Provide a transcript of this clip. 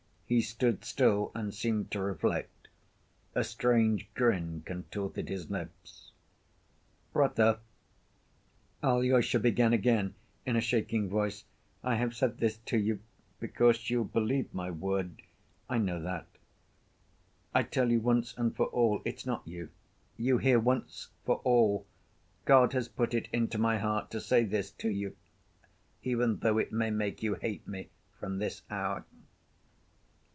He stood still and seemed to reflect. A strange grin contorted his lips. "Brother," Alyosha began again, in a shaking voice, "I have said this to you, because you'll believe my word, I know that. I tell you once and for all, it's not you. You hear, once for all! God has put it into my heart to say this to you, even though it may make you hate me from this hour."